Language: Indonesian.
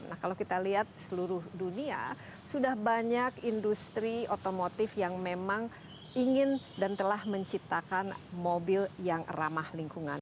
nah kalau kita lihat seluruh dunia sudah banyak industri otomotif yang memang ingin dan telah menciptakan mobil yang ramah lingkungan